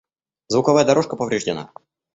Звуковая дорожка повреждена.